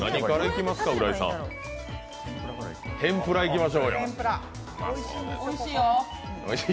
天ぷらいきましょうよ。